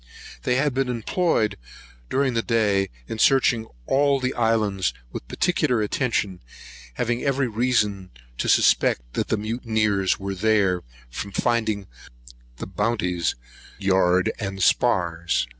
They had been employed during the day in searching all the islands with particular attention, having every reason to suspect the mutineers were there, from finding the Bounty's yard and spars.